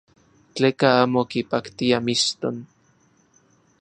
Tleka amo kipaktia mixton.